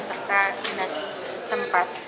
serta kines tempat